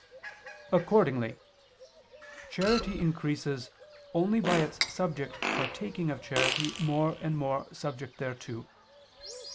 Accordingly charity increases only by its subject partaking of charity more and more subject thereto.